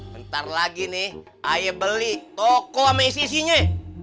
bentar lagi nih saya beli toko sama isinya